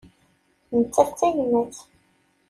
Nettat d tayemmat.